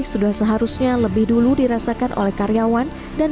sudah seharusnya lebih dulu dirasakan oleh karyawan dan